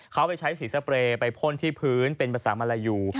เขาไปใช้สีสเปรย์ไปพ่นที่พื้นเป็นภาษามาลายู